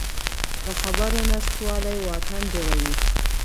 د خبرو نشتوالی واټن جوړوي